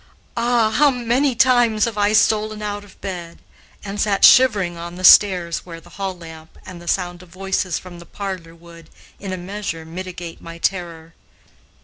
Ah! how many times I have stolen out of bed, and sat shivering on the stairs, where the hall lamp and the sound of voices from the parlor would, in a measure, mitigate my terror.